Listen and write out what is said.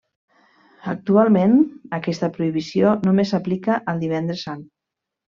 Actualment aquesta prohibició només s'aplica al Divendres Sant.